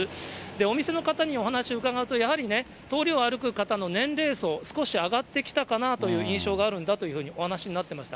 お店の方にお話伺うと、やはりね、通りを歩く方の年齢層、少し上がってきたかなという印象があるんだというふうにお話しになってました。